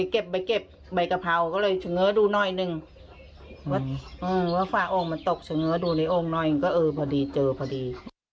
ก็เออพอดีเจอพอดี